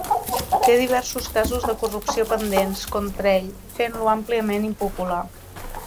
Té diversos casos de corrupció pendents contra ell, fent-lo àmpliament impopular.